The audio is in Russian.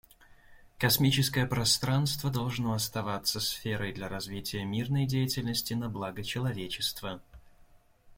Космическое пространство должно оставаться сферой для развития мирной деятельности на благо человечества.